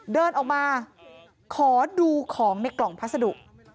เดินออกมาขอดูของในกล่องพัสดุ